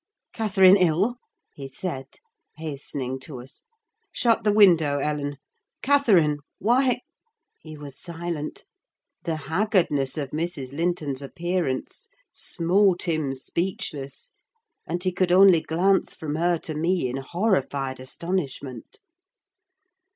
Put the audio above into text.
"Catherine ill?" he said, hastening to us. "Shut the window, Ellen! Catherine! why—" He was silent. The haggardness of Mrs. Linton's appearance smote him speechless, and he could only glance from her to me in horrified astonishment.